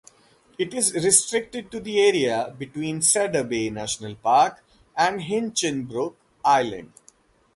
It is restricted to the area between Cedar Bay National Park and Hinchinbrook Island.